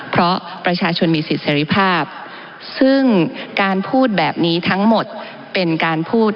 เพราะประชาชนมีสิทธิ์เสร็จภาพ